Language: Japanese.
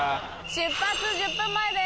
出発１０分前です。